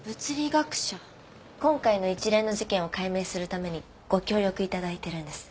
今回の一連の事件を解明するためにご協力いただいてるんです。